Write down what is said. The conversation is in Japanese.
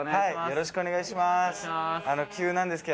よろしくお願いします